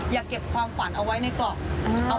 อย่าเก็บความฝันเอาไว้ในกล่อง